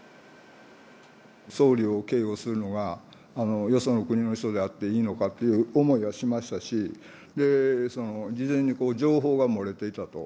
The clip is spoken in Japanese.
総理を警護するのがよその国の人であっていいのかっていう思いをしましたし、事前に情報が漏れていたと。